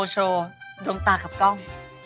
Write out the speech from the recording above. โชว์ดวงตากับกล้อง